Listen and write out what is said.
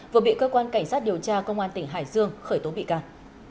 vừa bị cơ quan cảnh sát điều tra công an tỉnh hải dương khởi tố bị can